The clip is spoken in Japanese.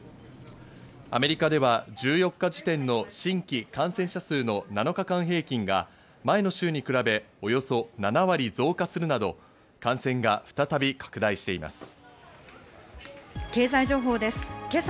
アメリカでは１４日時点の新規感染者数の７日間平均が前の週に比べ、およそ７割増加するなど感染が再び拡大しています。